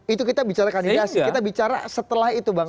itu kita bicara kandidasi kita bicara setelah itu bang